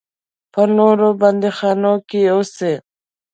په نورو بندیخانو کې اوسي.